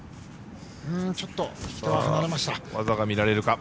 ちょっと引き手は離れました。